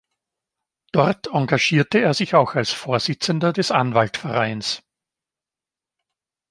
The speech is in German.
Dort engagierte er sich auch als Vorsitzender des Anwaltvereins.